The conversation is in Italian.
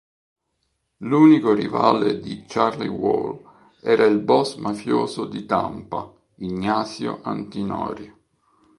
L'unico rivale di Charlie Wall era il boss mafioso di Tampa, Ignacio Antinori.